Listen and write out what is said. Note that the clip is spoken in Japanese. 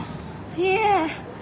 いえ。